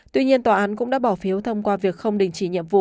tuy nhiên tòa án cũng đã bỏ phiếu thông qua việc không đình chỉ nhiệm vụ